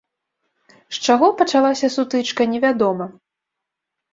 З чаго пачалася сутычка, невядома.